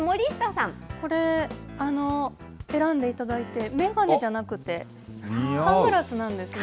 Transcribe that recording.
これ、選んでいただいて、眼鏡じゃなくて、サングラスなんですね。